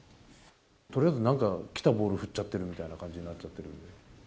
とりあえずなんか来たボール振っちゃってるみたいな感じになっちゃってる。